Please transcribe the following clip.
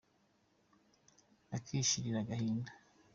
Akishirira agahinda.